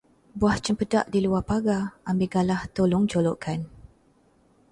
Buah cempedak di luar pagar, ambil galah tolong jolokkan.